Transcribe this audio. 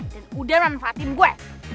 dan udah manfaatin gue